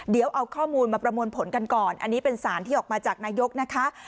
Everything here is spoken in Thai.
เดี๋ยวเอาข้อมูลมาประมวลผลกันก่อนอันนี้เป็นสารที่ออกมาจากนายกนะคะ